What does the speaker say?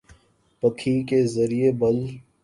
پھکی کے زریعے بل